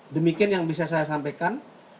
demikian yang bisa saya sampaikan